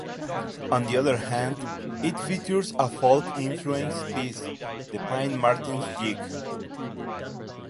On the other hand, it features a folk-influenced piece, "The Pine Marten's Jig".